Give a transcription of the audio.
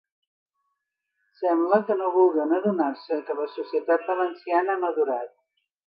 Sembla que no vulguen adonar-se que la societat valenciana ha madurat.